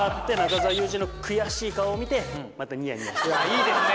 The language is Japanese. いいですね。